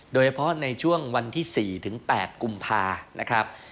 โดยเฉพาะในช่วงวันที่๔๘กุมภานะครับ